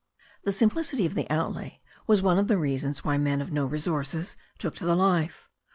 The simplicity of the outlay was one of the reasons why men of no resources took to the life.